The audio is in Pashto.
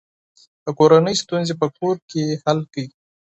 د کورنۍ ستونزې په کور کې حل کړئ.